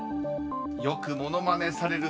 ［よく物まねされる